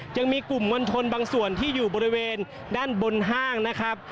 ยังมีกลุ่มมวลชนบางส่วนที่อยู่บริเวณด้านบนห้างนะครับ